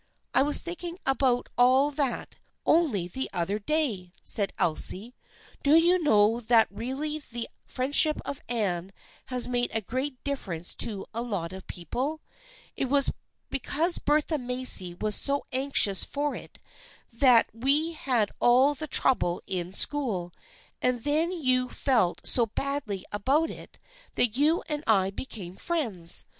" I was thinking about all that only the other day/' said Elsie. " Do you know that really the friendship of Anne has made a great difference to a lot of people ? It was because Bertha Macy was so anxious for it that we had all that trouble in school, and then you felt so badly about it that you and I became friends